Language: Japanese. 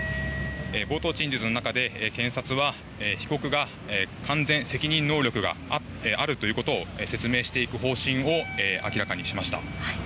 冒頭陳述の中で検察は被告が完全責任能力があるということを説明していく方針を明らかにしました。